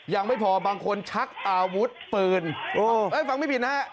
ยังไม่พอบางคนชักอาวุธปืนโอ้เอ้ยฟังไม่ผิดนะฮะ